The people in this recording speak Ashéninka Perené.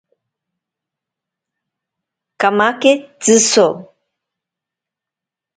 Kamake tziso.